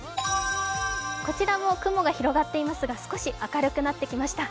こちらも雲がひろがっていますが、少し明るくなってきました。